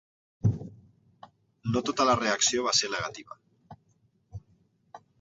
No tota la reacció va ser negativa.